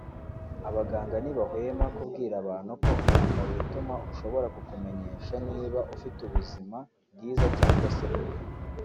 Abaganga ntibahwema kubwira abantu ko umwanda wituma ushobora kukumenyesha niba ufite ubuzima bwiza cyangwa se bubi